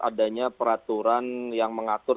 adanya peraturan yang mengatur